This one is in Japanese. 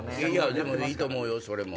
でもいいと思うよそれも。